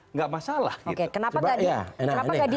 nggak masalah oke kenapa nggak di